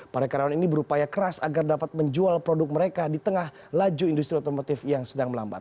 para karyawan ini berupaya keras agar dapat menjual produk mereka di tengah laju industri otomotif yang sedang melambat